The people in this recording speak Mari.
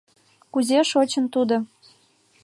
Кузе шочын тудо?